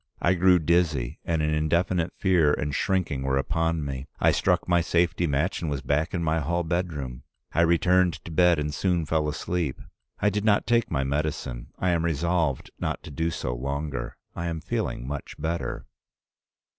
I grew dizzy, and an indefinite fear and shrinking were upon me. I struck my safety match and was back in my hall bedroom. I returned to bed, and soon fell asleep. I did not take my medicine. I am resolved not to do so longer. I am feeling much better.